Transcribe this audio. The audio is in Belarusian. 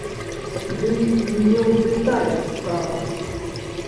Дый не ў дэталях справа.